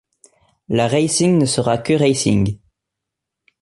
La Racing ne sera que Racing.